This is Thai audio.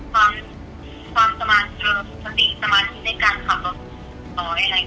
ความสมาธิสมาธิในการขับรถตัวให้ไหน